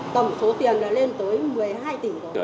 tổng số tiền đã lên tới một mươi hai tỷ rồi